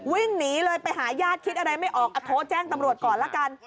วิ่งหนีเลยไปหาญาติคิดอะไรไม่ออกโทรแจ้งตำรวจก่อนละกัน